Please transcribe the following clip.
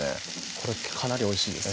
これかなりおいしいです